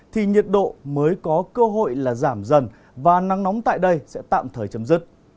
thì nhiệt độ mới có cơ hội là giảm dần và nắng nóng tại đây sẽ tạm thời chấm dứt